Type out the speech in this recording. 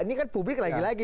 ini kan publik lagi lagi